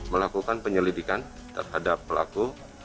melakukan penyelidikan terhadap pelaku